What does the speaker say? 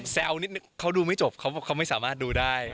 แซลนิดนิดเค้าดูไม่จบเค้าไม่สามารถดูได้